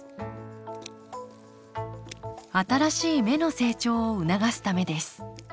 新しい芽の成長を促すためです